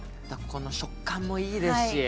この食感もいいですし。